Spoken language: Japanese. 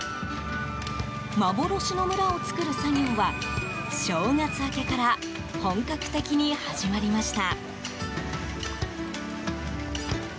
幻の村を作る作業は正月明けから本格的に始まりました。